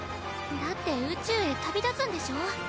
だって宇宙へ旅立つんでしょ？